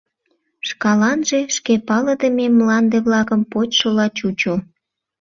Шкаланже шке палыдыме мланде-влакым почшыла чучо.